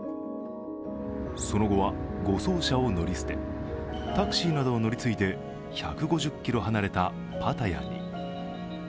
その後は護送車を乗り捨てタクシーなどを乗り継いで１５０ｋｍ離れたパタヤに。